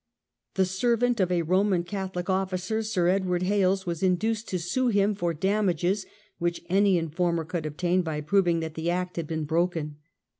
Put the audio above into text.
The servant of a Roman Catholic officer, Sir Edward Hales, was induced to sue him for damages, which any informer could obtain by proving that the Act had been broken.